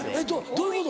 どういうこと？